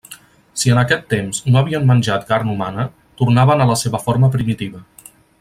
Si en aquest temps no havien menjat carn humana, tornaven a la seva forma primitiva.